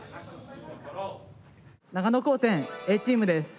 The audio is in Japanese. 長野高専Ａチームです。